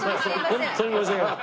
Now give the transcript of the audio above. ホントに申し訳ない。